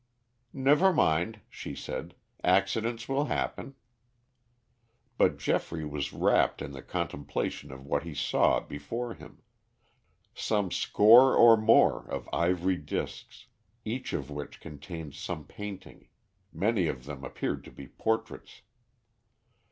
"Never mind," she said, "accidents will happen." But Geoffrey was rapt in the contemplation of what he saw before him some score or more of ivory discs, each of which contained some painting; many of them appeared to be portraits.